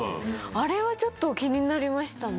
あれはちょっと気になりましたね。